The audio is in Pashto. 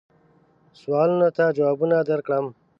سوالونو ته جوابونه درکړم.